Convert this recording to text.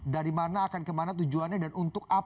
dari mana akan kemana tujuannya dan untuk apa